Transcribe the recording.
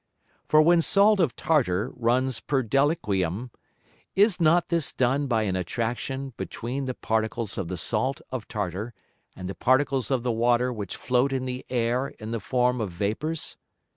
For when Salt of Tartar runs per Deliquium, is not this done by an Attraction between the Particles of the Salt of Tartar, and the Particles of the Water which float in the Air in the form of Vapours?